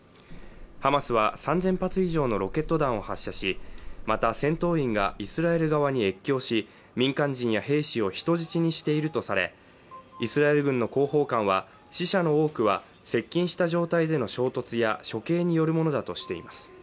ハマスは３０００発以上のロケット弾を発射しまた、戦闘員がイスラエル側に越境し、民間人や兵士を人質にしているとされ、イスラエル軍の広報官は死者の多くは接近した状態での衝突や処刑によるものだとしています。